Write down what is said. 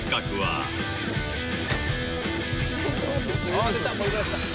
「あっ出た！